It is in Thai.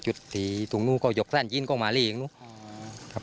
ชุดสี่ตรงนู้นก็หยกแสนจิ้นกองหมาลีอย่างนู้นครับ